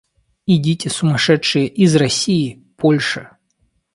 Идите, сумасшедшие, из России, Польши.